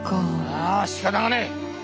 「はあしかたがねえ。